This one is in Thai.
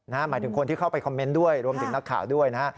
หมายถึงคนที่เข้าไปคอมเมนต์ด้วยรวมถึงนักข่าวด้วยนะฮะ